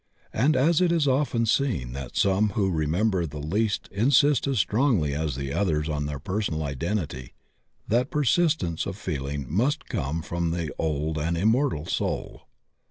And as it is often seen that some who re member the least insist as strongly as the others on their personal identity, that persistence of feeling must come from the old and immortal soul.